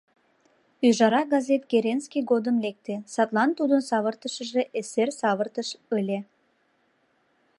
«Ӱжара» газет Керенский годым лекте, садлан тудын савыртышыже эсер савыртыш ыле.